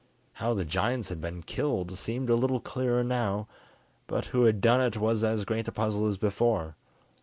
How the giants had been killed seemed a little clearer now, but who had done it was as great a puzzle as before.